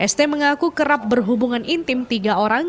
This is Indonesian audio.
st mengaku kerap berhubungan intim tiga orang